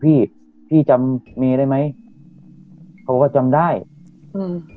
พี่พี่จำเมได้ไหมเขาก็จำได้อืม